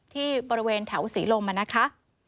ที่บริเวณแถวศรีลมนะคะ